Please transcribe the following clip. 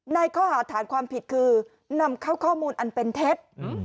ในข้อหาฐานความผิดคือนำเข้าข้อมูลอันเป็นเท็จ